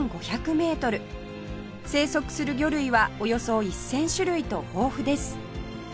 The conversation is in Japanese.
生息する魚類はおよそ１０００種類と豊富です